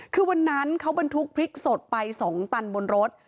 คือวันนั้นเขาบรรทุกพริกสดไป๒ตันบนรถ